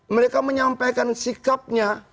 mereka menyampaikan sikapnya